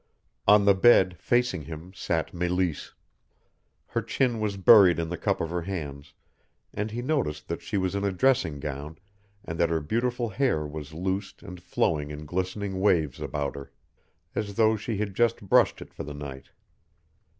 On the bed, facing him, sat Meleese. Her chin was buried in the cup of her hands, and he noticed that she was in a dressing gown and that her beautiful hair was loosed and flowing in glistening waves about her, as though she had just brushed it for the night.